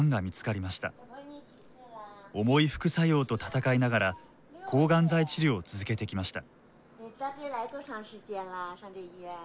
重い副作用と闘いながら抗がん剤治療を続けてきました。